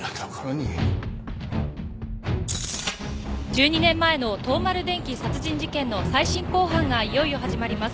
１２年前の東丸電機殺人事件の再審公判がいよいよ始まります。